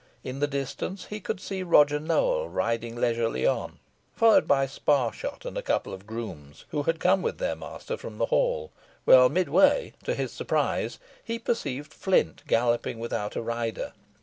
In the distance, he could see Roger Nowell riding leisurely on, followed by Sparshot and a couple of grooms, who had come with their master from the hall; while midway, to his surprise, he perceived Flint galloping without a rider.